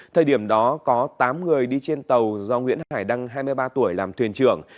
thời điểm đó có tám người đi trên tàu do nguyễn hải đăng hai mươi ba tuổi làm thuyền trưởng